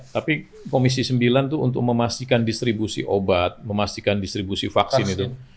tapi komisi sembilan itu untuk memastikan distribusi obat memastikan distribusi vaksin itu